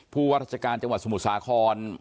ผู้วัตถการจังหวัดสมุทรสาคอน